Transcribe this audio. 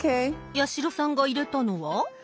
八代さんが入れたのは。